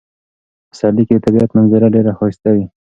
په پسرلي کې د طبیعت منظره ډیره ښایسته وي.